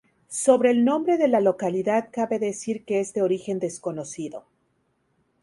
Sobre el nombre de la localidad cabe decir que es de origen desconocido.